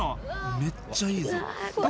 めっちゃいいぞ。